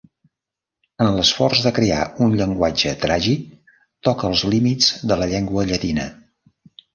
En l'esforç de crear un llenguatge tràgic, toca els límits de la llengua llatina.